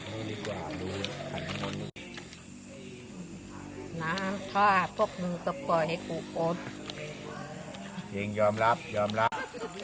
น้ำท่าพวกมึงต้องปล่อยให้กูโปรดยอมรับยอมรับ